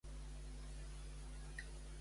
Què li va semblar veure?